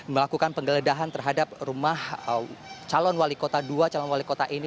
melakukan penggeledahan terhadap rumah calon wali kota dua calon wali kota ini